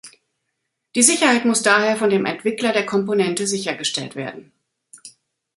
Die Sicherheit muss daher von dem Entwickler der Komponente sichergestellt werden.